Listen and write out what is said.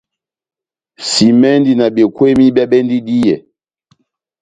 Simɛndi na bekweni bia bendi díyɛ.